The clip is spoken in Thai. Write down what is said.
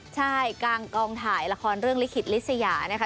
ใช่กลางกองถ่ายละครเรื่องลิขิตลิสยานะคะ